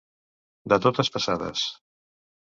De totes passades.